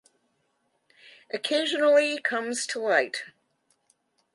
Occasionally comes to light.